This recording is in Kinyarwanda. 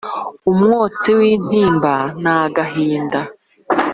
umwotsi w'intimba n'agahinda